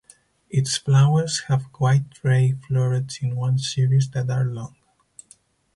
Its flowers have white ray florets in one series that are long.